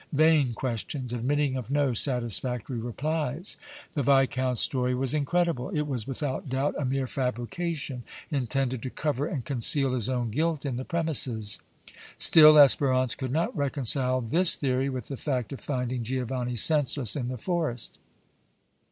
Vain questions, admitting of no satisfactory replies. The Viscount's story was incredible; it was, without doubt, a mere fabrication intended to cover and conceal his own guilt in the premises. Still Espérance could not reconcile this theory with the fact of finding Giovanni senseless in the forest.